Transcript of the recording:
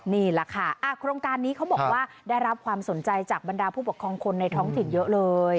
นี่แหละค่ะโครงการนี้เขาบอกว่าได้รับความสนใจจากบรรดาผู้ปกครองคนในท้องถิ่นเยอะเลย